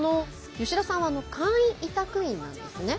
吉田さんは簡易委託員なんですね。